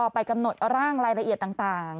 ไปกำหนดร่างรายละเอียดต่าง